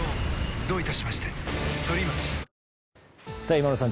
今村さん